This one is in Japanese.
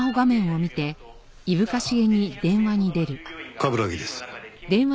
冠城です。